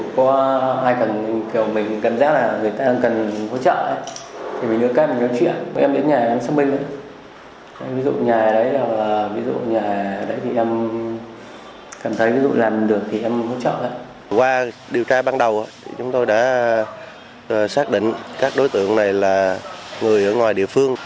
qua điều tra ban đầu chúng tôi đã xác định các đối tượng này là người ở ngoài địa phương